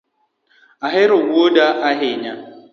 Ahero wuoda ahinya?